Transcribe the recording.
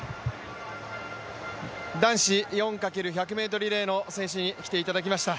男子４×１００ｍリレーの選手に来ていただきました。